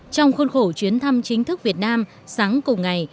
trong khuôn khổ chuyến thăm chính thức việt nam sáng cùng ngày